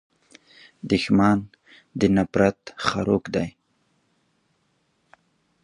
دښمن د نفرت خوراک دی